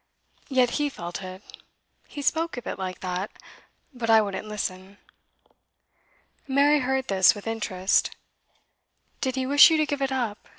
Yet he felt it. He spoke of it like that, but I wouldn't listen.' Mary heard this with interest. 'Did he wish you to give it up?